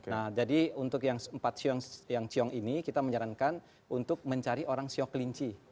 nah jadi untuk yang empat yang ciong ini kita menyarankan untuk mencari orang siok kelinci